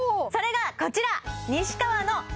それがこちら！